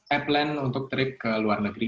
apland untuk trip ke luar negeri